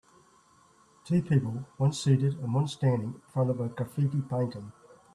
Two people, one seated and one standing, in front of a graffiti painting.